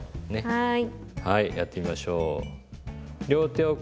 はい。